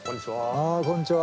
こんにちは。